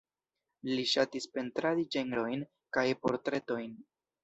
Li ŝatis pentradi ĝenrojn kaj portretojn.